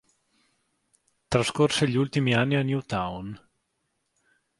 Trascorse gli ultimi anni a New Town.